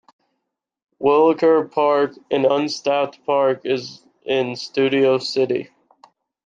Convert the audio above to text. Wilacre Park, an unstaffed park, is in Studio City.